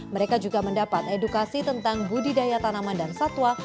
mereka juga mendapat edukasi tentang budidaya tanaman dan satwa